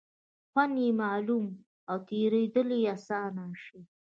خوند یې معلوم او تېرېدل یې آسانه شي.